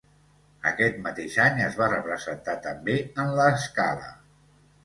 Aquest mateix any es va representar també en La Scala.